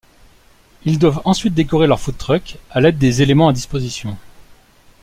Ils doivent ensuite décorer leur food-truck à l'aide des éléments à disposition.